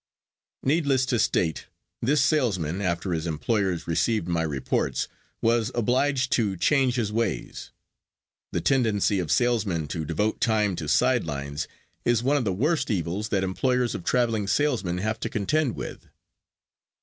Needless to state, this salesman, after his employers received my reports, was obliged to change his ways. The tendency of salesmen to devote time to side lines is one of the worst evils that employers of traveling salesmen have to contend with.